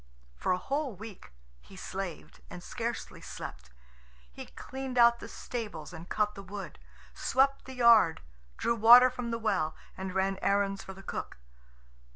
For a whole week he slaved, and scarcely slept. He cleaned out the stables and cut the wood, swept the yard, drew water from the well, and ran errands for the cook.